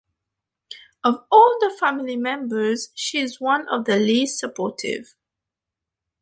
Of all the family members, she's one of the least supportive.